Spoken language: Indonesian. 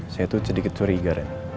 saya tuh sedikit curiga